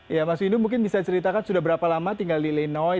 ya mas windu mungkin bisa diceritakan sudah berapa lama tinggal di lenoi